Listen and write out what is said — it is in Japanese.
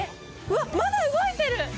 まだ動いてる！